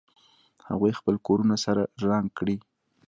هغوی خپل کورونه سره رنګ کړي